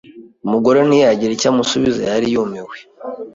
Umugore ntiyagira icyo amusubizayari yumiwe